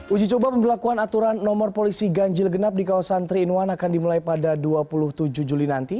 uji coba pemberlakuan aturan nomor polisi ganjil genap di kawasan tiga in satu akan dimulai pada dua puluh tujuh juli nanti